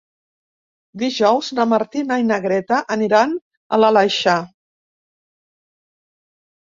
Dijous na Martina i na Greta aniran a l'Aleixar.